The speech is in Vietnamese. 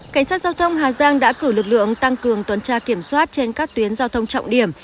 cảnh sát giao thông hà giang đã cử lực lượng tăng cường tuần tra kiểm soát trên các tuyến giao thông trọng điểm